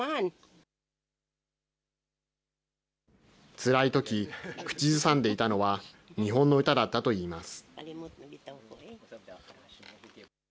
つらいとき、口ずさんでいたのは、日本の歌だったといいます。